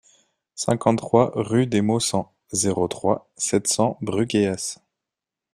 cinquante-trois rue des Maussangs, zéro trois, sept cents Brugheas